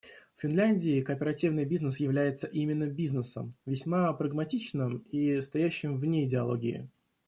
В Финляндии кооперативный бизнес является именно бизнесом — весьма прагматичным и стоящим вне идеологии.